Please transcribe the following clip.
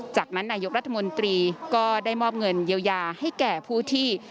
จากนั้นนายกรัฐมนตรีก็ได้มอบเงินเยียวยาให้แก่ผู้ที่